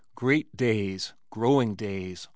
Great days! Growing days!